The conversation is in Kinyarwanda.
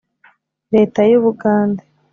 Leta y u Bugande